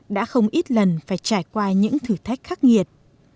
đã không ít lần phải trải qua những thử thách khắc nghiệt